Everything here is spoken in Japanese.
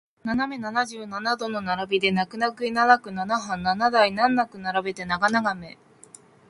斜め七十七度の並びで泣く泣くいななくナナハン七台難なく並べて長眺め